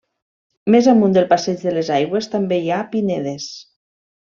Més amunt del passeig de les Aigües, també hi ha pinedes.